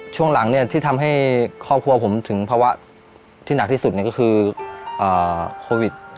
ช่วงหลังที่ทำให้ครอบครัวผมถึงภาวะที่หนักที่สุดก็คือโควิด